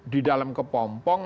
di dalam kepompong